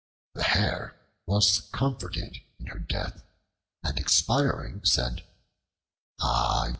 The Hare was comforted in her death, and expiring said, "Ah!